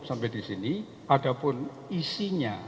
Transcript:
sampai disini ada pun isinya